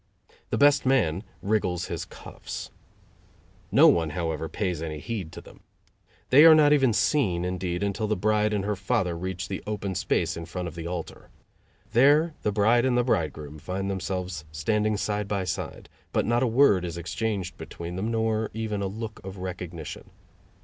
The best man wriggles his cuffs. No one, however, pays any heed to them. They are not even seen, indeed, until the bride and her father reach the open space in front of the altar. There the bride and the bridegroom find themselves standing side by side, but not a word is exchanged between them, nor even a look of recognition.